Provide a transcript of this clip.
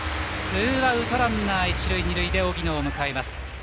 ツーアウトランナー一塁二塁で荻野を迎えます。